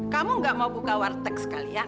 kamu gak mau buka warteg sekalian